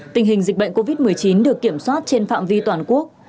tình hình dịch bệnh covid một mươi chín được kiểm soát trên phạm vi toàn quốc